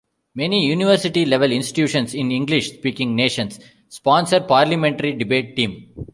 Many university-level institutions in English-speaking nations sponsor parliamentary debate teams.